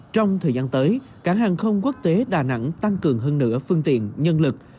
trong thời gian tới cảng hàng không quốc tế đà nẵng tăng cường hơn nữa phương tiện nhân lực